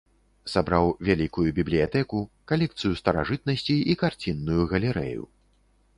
Сабраў вялікую бібліятэку, калекцыю старажытнасцей і карцінную галерэю.